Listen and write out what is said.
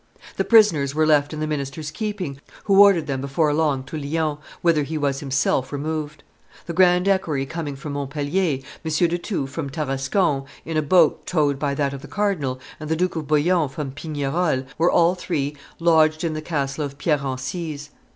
The prisoners were left in the minister's keeping, who ordered them before long to Lyons, whither he was himself removed. The grand equerry coming from Montpellier, M. de Thou from Tarascon, in a boat towed by that of the cardinal, and the Duke of Bouillon from Pignerol, were all three lodged in the castle of Pierre Encise.